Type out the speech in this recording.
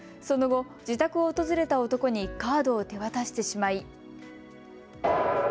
その後、自宅を訪れた男にカードを手渡してしまい。